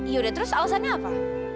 yaudah terus alasannya apa